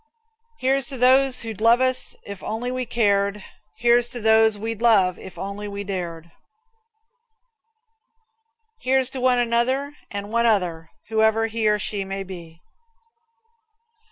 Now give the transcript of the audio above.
Here's to those who'd love us if we only cared. Here's to those we'd love if we only dared. Here's to one another and one other, whoever he or she may be.